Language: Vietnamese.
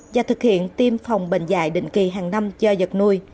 và thực hiện tiêm phòng bệnh dạy định kỳ hàng năm cho vật nuôi